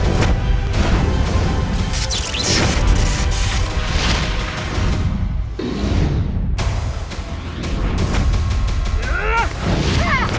ya perasan aku yang bicara busak